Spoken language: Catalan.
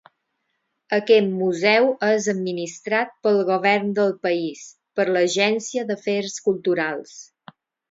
Aquest museu és administrat pel govern del país, per l'Agència d'Afers Culturals.